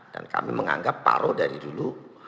dan kami menganggap paro dari dulu